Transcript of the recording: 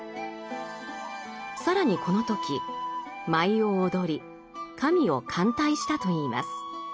更にこの時舞を踊り神を歓待したといいます。